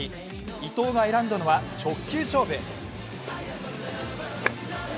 伊藤が選んだのは直球勝負。